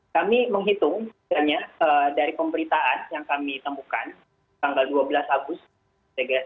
kami menghitung dari pemberitaan yang kami temukan tanggal dua belas agustus